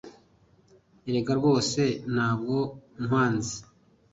erega rwose ntabwo nkwanze